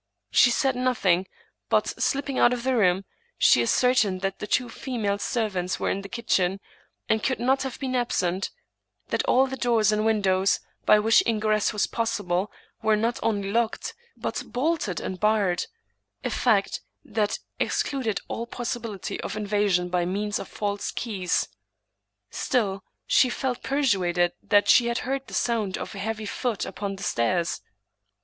She said nothing, but, slipping out of the room, she ascertained that the two female servants were in the kitchen, and could not have been ab sent ; that all the doors and windows, by which ingress was possible, were not only locked, but bolted and barred — a, fact which excluded all possibility of invasion by means of false keys. Still she felt persuaded that she had heard the sound of a heavy foot upon the stairs.